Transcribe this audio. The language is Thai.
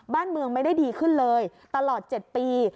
บ้านเมืองไม่ได้ดีขึ้นเลยตลอด๗ปี